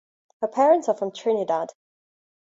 Her parents are from Trinidad.